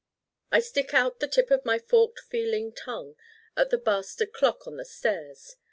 I stick out the tip of my forked feeling tongue at the bastard clock on the stairs.